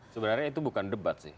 sebenarnya itu bukan debat sih